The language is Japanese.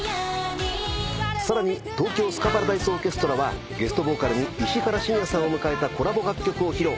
さらに東京スカパラダイスオーケストラはゲストボーカルに石原慎也さんを迎えたコラボ楽曲を披露。